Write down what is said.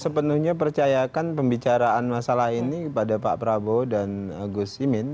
sepenuhnya percayakan pembicaraan masalah ini kepada pak prabowo dan gus imin